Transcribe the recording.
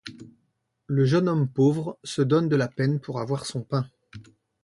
Le jeune homme pauvre se donne de la peine pour avoir son pain.